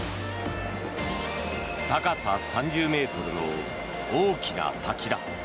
高さ３０ｍの大きな滝だ。